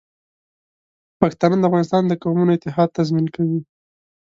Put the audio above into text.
پښتانه د افغانستان د قومونو اتحاد تضمین کوي.